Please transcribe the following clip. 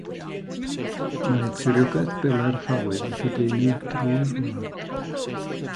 Mae tiriogaeth bele'r ffawydd yn lledaenu drwy'r wlad.